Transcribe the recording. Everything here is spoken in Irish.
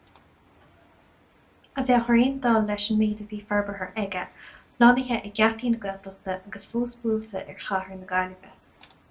A bheadh ar aon dul leis an méid a bhí forbartha aige, lonnaithe ag geataí na Gaeltachta agus fós buailte ar chathair na Gaillimhe.